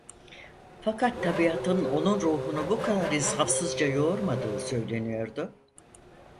Fakat tabiatın onun ruhunu bu kadar insafsızca yoğurmadığı söyleniyordu.